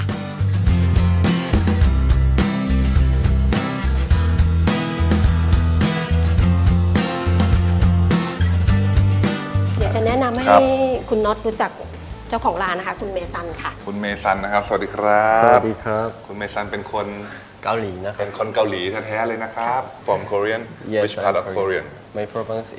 เดี๋ยวจะแนะนำให้คุณน็อตรู้จักเจ้าของร้านคุณเมซันค่ะ